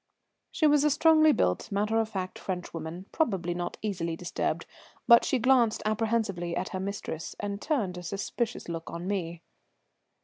She was a strongly built, matter of fact French woman, probably not easily disturbed; but she glanced apprehensively at her mistress, and turned a suspicious look on me.